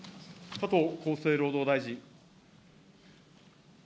加藤厚生労働大臣。